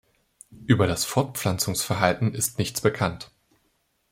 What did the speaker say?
Über das Fortpflanzungsverhalten ist nichts bekannt.